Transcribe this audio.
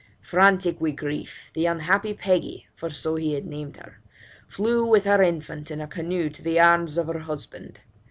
Frantic with grief, the unhappy Peggy (for so he had named her) flew with her infant in a canoe to the arms of her husband.